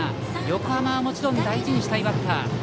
横浜はもちろん大事にしたいバッター。